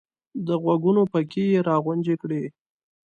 د غوږونو پکې یې را غونجې کړې !